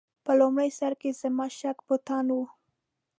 په لومړي سر کې زما شک بتان و.